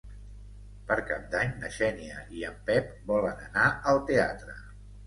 Per Cap d'Any na Xènia i en Pep volen anar al teatre.